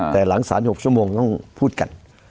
แต่หลังสาร๖ชั่วโมงต้องพูดกัน